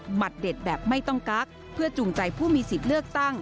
หัดเด็ดแบบไม่ต้องกักเพื่อจูงใจผู้มีสิทธิ์เลือกตั้ง